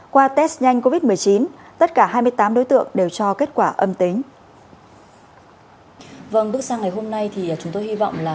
qua test nhanh covid một mươi chín tất cả hai mươi tám đối tượng đều cho kết quả âm tính